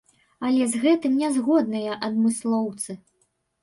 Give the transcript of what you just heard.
Але з гэтым не згодныя адмыслоўцы.